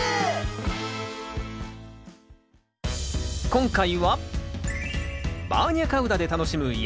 今回はバーニャカウダで楽しむ野菜。